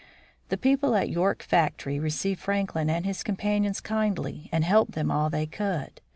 The people at York Factory received Franklin and his companions kindly and helped them all they could.